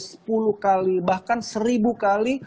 sepuluh kali bahkan seribu kali